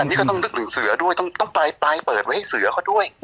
อันนี้ก็ต้องนึกถึงเสือด้วยต้องปลายเปิดไว้ให้เสือเขาด้วย